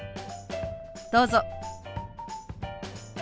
どうぞ。